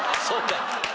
そうか。